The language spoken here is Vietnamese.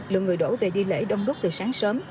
lượng người đổ về đi lễ đông đúc từ sáng sớm